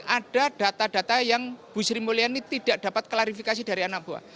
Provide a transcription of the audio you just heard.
ada data data yang bu sri mulyani tidak dapat klarifikasi dari anak buah